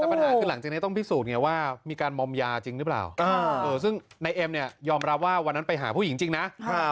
แต่ปัญหาคือหลังจากนี้ต้องพิสูจนไงว่ามีการมอมยาจริงหรือเปล่าซึ่งนายเอ็มเนี่ยยอมรับว่าวันนั้นไปหาผู้หญิงจริงนะ